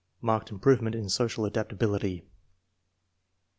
Marked improvement in social adaptability.